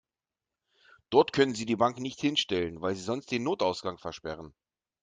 Dort können Sie die Bank nicht hinstellen, weil Sie sonst den Notausgang versperren.